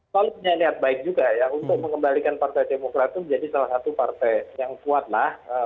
kalau punya lihat baik juga ya untuk mengembalikan partai demokrat itu menjadi salah satu partai yang kuatlah